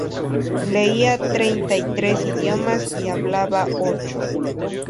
Leía treinta y tres idiomas y hablaba ocho.